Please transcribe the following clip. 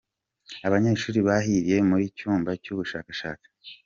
Abanyeshuri bahiriye muri cyumba cy’ubushakashatsi